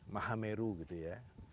mahameru gitu ya